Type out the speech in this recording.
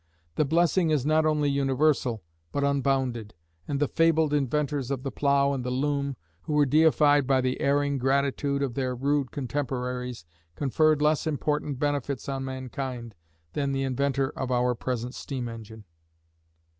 The blessing is not only universal, but unbounded; and the fabled inventors of the plough and the loom, who were deified by the erring gratitude of their rude contemporaries, conferred less important benefits on mankind than the inventor of our present steam engine.